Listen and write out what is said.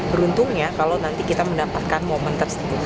beruntungnya kalau nanti kita mendapatkan momen tersebut